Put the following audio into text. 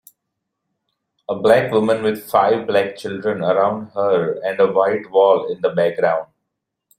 A black women with five black children around her and a white wall in the background.